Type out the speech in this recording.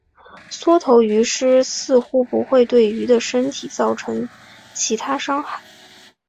缩头鱼虱似乎不会对鱼的身体造成其他伤害。